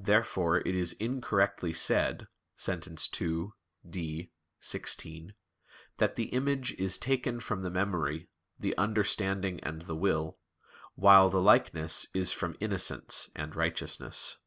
Therefore it is incorrectly said (Sent. ii, D, xvi) "that the image is taken from the memory, the understanding and the will, while the likeness is from innocence and righteousness."